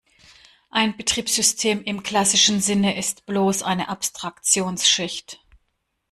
Ein Betriebssystem im klassischen Sinne ist bloß eine Abstraktionsschicht.